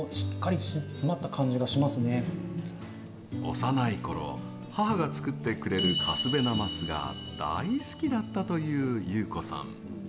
幼い頃、母が作ってくれるカスベなますが大好きだったという祐子さん。